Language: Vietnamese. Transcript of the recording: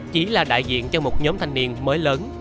chỉ là đại diện cho một nhóm thanh niên mới lớn